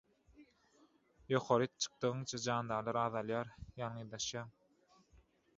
Ýokary çykdygyňça jandarlar azalýar, ýalňyzlaşýaň.